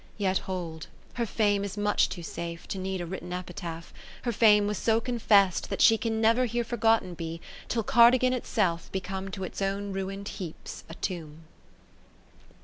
.^o Yet hold, her fame is much too safe, To need a written epitaph. Her fame was so confess'd, that she Can never here forgotten be, Till Cardigan itself become To its own ruin'd heaps a tomb.